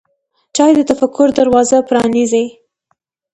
چای د تفکر دروازه پرانیزي.